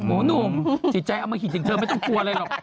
โอ้หนุ่มสิทธิ์ใจเอามาหิดอย่างเธอไม่ต้องกลัวเลยหรอก